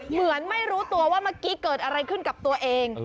เหมือนไม่รู้ตัวว่าเมื่อกี้เกิดอะไรขึ้นกับตัวเอง